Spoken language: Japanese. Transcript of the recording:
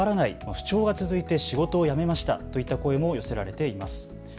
不調が続いて仕事を辞めましたといった声も寄せられています。